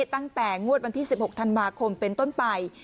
ตั้งแต่งวดวันที่๑๖ธันวาคมเป็นต้นไป